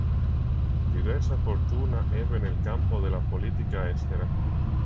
Diversa fortuna ebbe nel campo della politica estera.